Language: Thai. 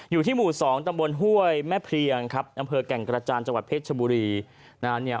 อยู่ที่หมู่๒ตำบลห้วยแม่เพลียงครับอำเภอแก่งกระจานจังหวัดเพชรชบุรีนะฮะ